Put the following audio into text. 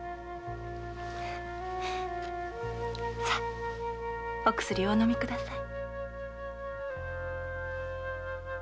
さあお薬をお飲みください。